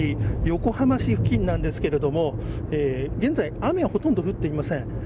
横浜市付近なんですけれども現在雨はほとんど降っていません。